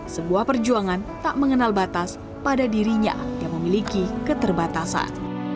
sebuah perjuangan tak mengenal batas pada dirinya yang memiliki keterbatasan